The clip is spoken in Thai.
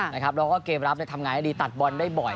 นะครับแล้วก็เกมรับในทำงานดีตัดบอลได้บ่อย